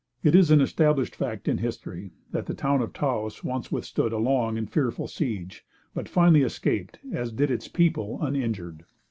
It is an established fact in history, that the town of Taos once withstood a long and fearful siege, but finally escaped, as did its people, uninjured.